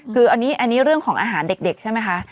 คืออันนี้เรื่องของอาหารเด็กใช่ไหมคะ